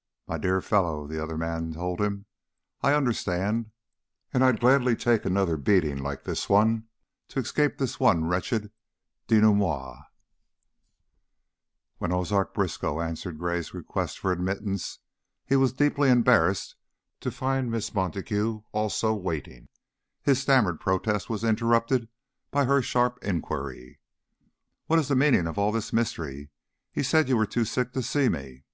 '" "My dear fellow," the other told him, "I understand, and I'd gladly take another beating like this one to escape this wretched denouement." When Ozark Briskow answered Gray's request for admittance, he was deeply embarrassed to find Miss Montague also waiting; his stammered protest was interrupted by her sharp inquiry: "What is the meaning of all this mystery? He said you were too sick to see me."